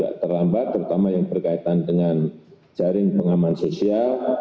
agak terlambat terutama yang berkaitan dengan jaring pengaman sosial